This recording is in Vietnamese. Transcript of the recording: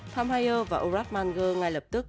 tham haya và orat manger ngay lập tức